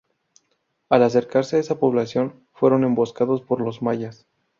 Al acercarse a esa población fueron emboscados por los mayas.